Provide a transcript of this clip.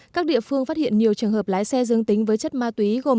các địa phương phát hiện nhiều trường hợp lái xe dương tính với chất ma túy gồm